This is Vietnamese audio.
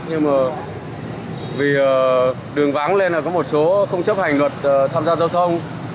nhưng mà vì đường vắng lên là có một số không chấp hành luật tham gia giao thông